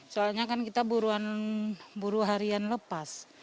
soalnya kan kita buruan buruh harian lepas